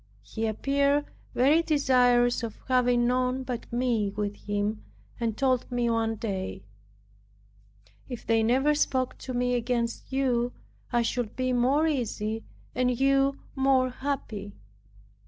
He appeared very desirous of having none but me with him, and told me one day, "If they never spoke to me against you, I should be more easy, and you more happy."